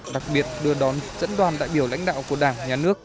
đặc biệt đưa đón dẫn đoàn đại biểu lãnh đạo của đảng nhà nước